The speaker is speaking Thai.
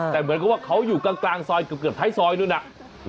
แต่เหมือนกับว่าเขาอยู่กลางซอยเกือบท้ายซอยนู้นน่ะ